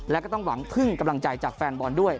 และก็ต้องหวังพึ่งกำลังใจจากแฟนบอลด้วย